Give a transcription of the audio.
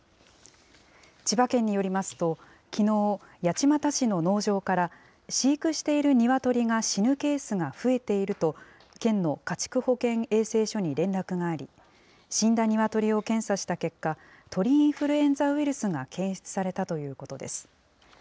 千葉県によりますと、きのう、八街市の農場から、飼育しているニワトリが死ぬケースが増えていると、県の家畜保健衛生所に連絡があり、死んだニワトリを検査した結果、鳥インフルエンザウイルスが検出されたということです。